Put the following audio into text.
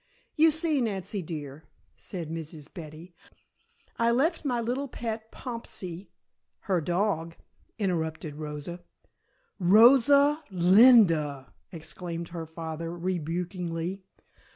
"You see, Nancy dear," said Mrs. Betty. "I left my little pet Pompsie " "Her dog," interrupted Rosa. "Rosa linda!" exclaimed her father, rebukingly.